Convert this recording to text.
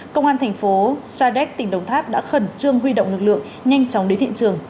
công an thành phố sa đéc tỉnh đồng tháp đã khẩn trương huy động lực lượng nhanh chóng đến hiện trường